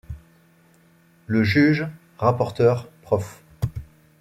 Le juge rapporteur prof.